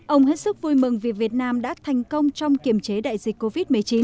ông hết sức vui mừng vì việt nam đã thành công trong kiểm chế đại dịch covid một mươi chín